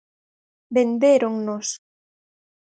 Vendéronnos!